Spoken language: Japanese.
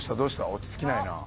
落ち着きないな。